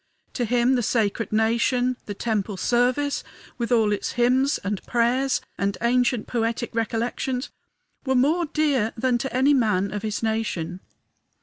To him the sacred nation, the temple service, with all its hymns and prayers and ancient poetic recollections, were more dear than to any other man of his nation.